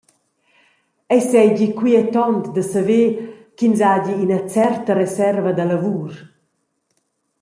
Ei seigi quietont da saver ch’ins hagi ina certa reserva da lavur.